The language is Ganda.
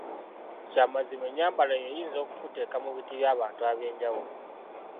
Kya mazima ennyambala yo eyinza okukuteeka mu biti bya bantu ab‘enjawulo.